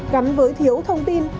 gắn với thiếu thông tin